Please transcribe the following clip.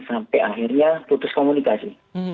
sampai akhirnya putus komunikasi